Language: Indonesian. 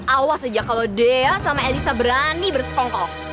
awas aja kalau dea sama elisa berani bersekongkol